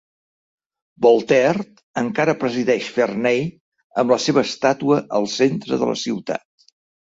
Voltaire encara presideix Ferney amb la seua estàtua al centre de la ciutat.